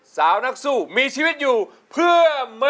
สาวนักสู้มีชีวิตอยู่เพื่อ